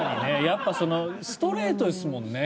やっぱストレートですもんね。